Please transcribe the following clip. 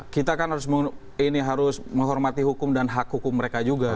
kita kan harus ini harus menghormati hukum dan hak hukum mereka juga